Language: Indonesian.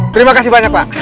terima kasih banyak pak